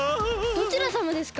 どちらさまですか？